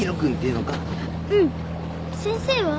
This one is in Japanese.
うん先生は？